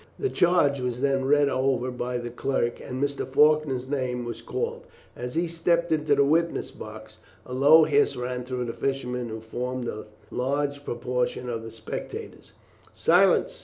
The charge was then read over by the clerk, and Mr. Faulkner's name was called; as he stepped into the witness box, a low hiss ran through the fishermen who formed a large proportion of the spectators. "Silence!"